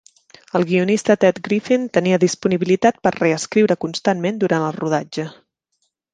El guionista Ted Griffin tenia disponibilitat per "reescriure constantment" durant el rodatge.